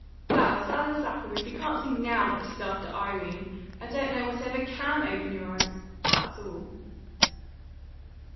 "Well, Silas Lapham, if you can't see NOW that he's after Irene, I don't know what ever CAN open your eyes. That's all."